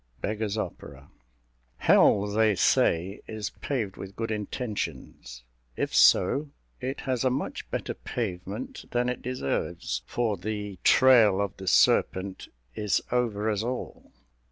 "Beggar's Opera." Hell, they say, is paved with good intentions. If so, it has a much better pavement than it deserves; for the "trail of the serpent is over us all."